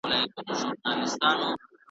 جومات بل قبله بدله مُلا بله ژبه وايي .